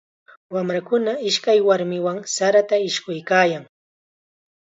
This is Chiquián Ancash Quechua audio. Wamrakuna ishkay warmiwan sarata ishkuykaayan.